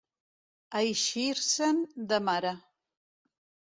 Eixir-se'n de mare.